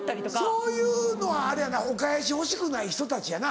そういうのはあれやなお返し欲しくない人たちやな。